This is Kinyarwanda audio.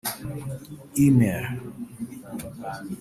e-mail